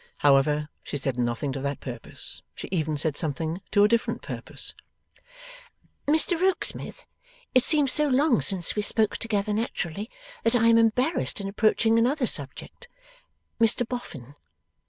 However, she said nothing to that purpose; she even said something to a different purpose. 'Mr Rokesmith, it seems so long since we spoke together naturally, that I am embarrassed in approaching another subject. Mr Boffin.